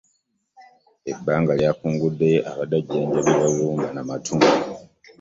Ebbanga ly'akunguddeyo abadde ajjanjabibwa kibumba n'amatu